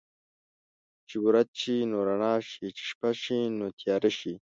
چې ورځ شي نو رڼا شي، چې شپه شي نو تياره شي.